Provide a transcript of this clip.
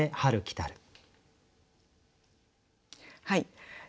はい。